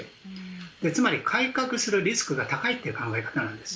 つまり、改革するリスクが高いという考えなんです。